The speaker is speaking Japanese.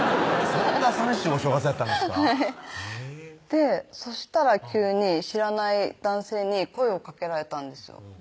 そんなさみしいお正月やったんですかはいへぇそしたら急に知らない男性に声をかけられたんですよ